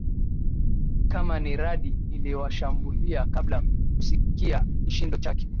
Kama ni radi iliwashambulia kabla kusikia kishindo chake